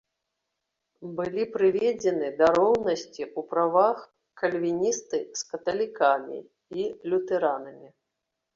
Былі прыведзены да роўнасці ў правах кальвіністы з каталікамі і лютэранамі.